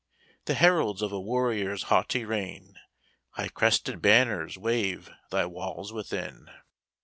The heralds of a warrior's haughty reign, High crested banners wave thy walls within.